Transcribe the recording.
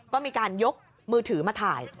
ก็มีการยกมือถือมาถ่าย